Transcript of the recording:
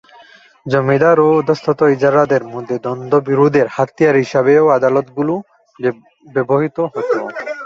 জমিদার ও অধস্তন ইজারাদারদের মধ্যে দ্বন্দ্ব-বিরোধের হাতিয়ার হিসেবেও আদালতগুলো ব্যবহূত হতো।